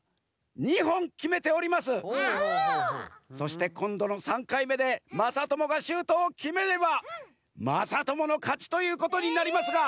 そしてこんどの３かいめでまさともがシュートをきめればまさとものかちということになりますが。